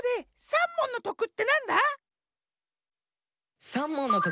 さんもんのとくってなんだっけ？